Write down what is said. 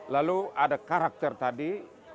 lalu ada karakter tadi